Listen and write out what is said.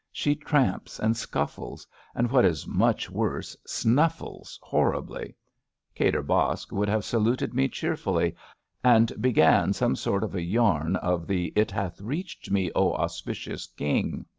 She tramps and scuflBes ; and, what is much worse, snuffles horribly. Kadir Baksh would have saluted me cheerfully and began some sort of a yam of the It hath reached me, Auspicious King!